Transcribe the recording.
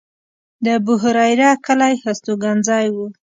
د ابوهریره کلی هستوګنځی و.